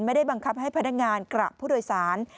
ไม่ได้บังคับให้พนักงานกระผู้โดยสาร